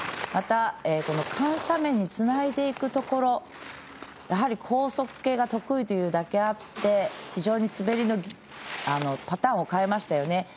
また緩斜面につないでいくところ高速系が得意というだけあり滑りのパターンを変えましたね。